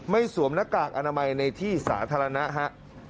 สวมหน้ากากอนามัยในที่สาธารณะฮะ